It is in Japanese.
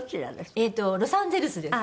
えっとロサンゼルスです。